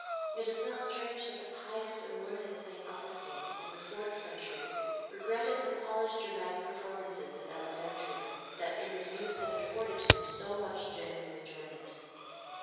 It is not strange that the pious and learned St. Augustine, in the fourth century, regretted the polished dramatic performances at Alexandria that in his youth had afforded him so much genuine enjoyment.